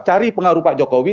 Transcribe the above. cari pengaruh pak jokowi